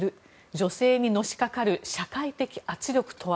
女性にのしかかる社会的圧力とは？